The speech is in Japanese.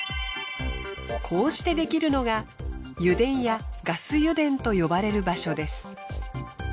こうしてできるのが油田やガス油田と呼ばれる場所です。